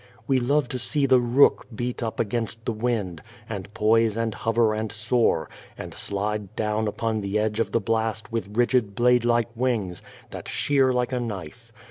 We love to see the rook beat up against the wind, and poise and hover and soar, 13 The Child Face and slide down upon the edge of the blast with rigid blade like wings, that shear like a knife.